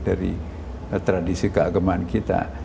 dari tradisi keagamaan kita